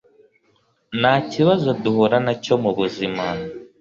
ntakibazo duhura nacyo mubuzima